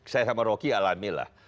saya sama rocky alami lah